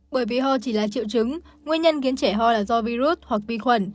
bởi vì hò chỉ là triệu chứng nguyên nhân khiến trẻ hò là do virus hoặc vi khuẩn